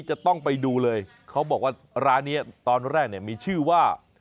จะต้องไปดูเลยเขาบอกว่าร้านนี้ตอนแรกเนี่ยมีชื่อว่า